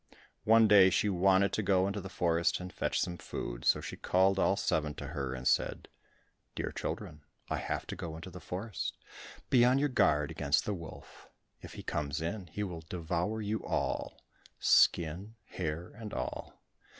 One day she wanted to go into the forest and fetch some food. So she called all seven to her and said, "Dear children, I have to go into the forest, be on your guard against the wolf; if he come in, he will devour you all—skin, hair, and all.